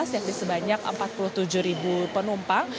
yakni sebanyak empat puluh tujuh ribu penumpang